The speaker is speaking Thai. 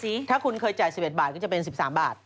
ถ้าคุณเคยจ่าย๑๑บาทก็จะเป็น๑๓บาท